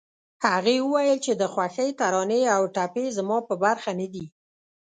هغې وويل چې د خوښۍ ترانې او ټپې زما په برخه نه دي